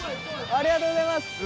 ありがとうございます！